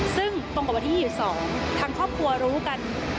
ซึ่งประกอบที่สองทั้งครอบครัวรู้กัน